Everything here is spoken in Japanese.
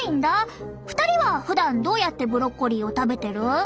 ２人はふだんどうやってブロッコリーを食べてる？